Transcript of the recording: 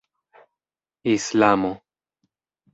islamo